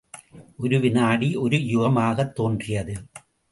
ஒரு விநாடி ஒரு யுகமாகத் தோன்றியது.